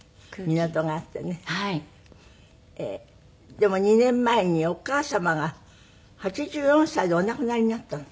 でも２年前にお母様が８４歳でお亡くなりになったの？